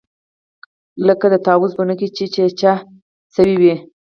لکه د طاووس بڼکې چې چجه سوې وي.